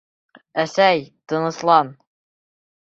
Әсәй, тыныслан!